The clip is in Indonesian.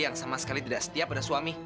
yang sama sekali tidak setia pada suami